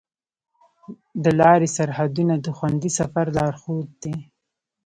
د لارې سرحدونه د خوندي سفر لارښود دي.